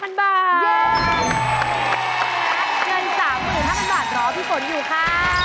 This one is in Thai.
เกิน๓๕๐๐๐บาทเดี๋ยวพี่ฝนอยู่ค่ะ